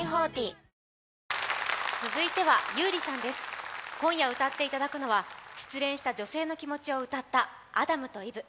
わかるぞ今夜歌っていただくのは失恋した女性の気持ちを歌った「アダムとイブ」。